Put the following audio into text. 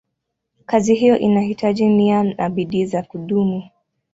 Kazi hiyo inahitaji nia na bidii za kudumu.